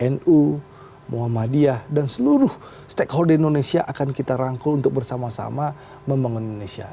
nu muhammadiyah dan seluruh stakeholder indonesia akan kita rangkul untuk bersama sama membangun indonesia